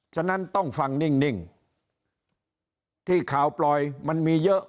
ฉะนั้นต้องฟังนิ่งที่ข่าวปล่อยมันมีเยอะ